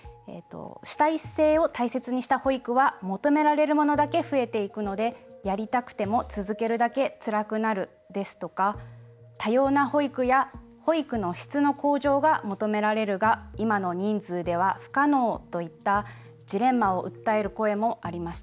主体性を大切にした保育は求められるものだけ増えていくのでやりたくても続けるだけつらくなるですとか多様な保育や保育の質の向上が求められるが今の人数では不可能といったジレンマを訴える声もありました。